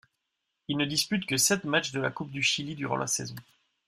Il ne dispute que sept matchs de la Coupe du Chili durant la saison.